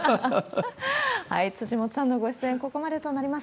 辻元さんのご出演、ここまでとなります。